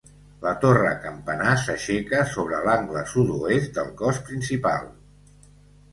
La torre campanar s'aixeca sobre l'angle sud-oest del cos principal.